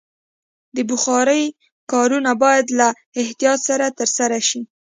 د بخارۍ کارونه باید له احتیاط سره ترسره شي.